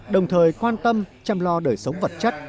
đồng thời quan tâm chăm lo đời sống vật chất